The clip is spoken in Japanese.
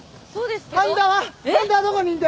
半田はどこにいんだよ！